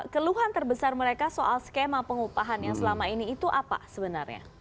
keluhan terbesar mereka soal skema pengupahan yang selama ini itu apa sebenarnya